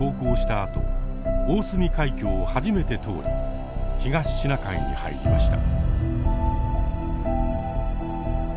あと大隅海峡を初めて通り東シナ海に入りました。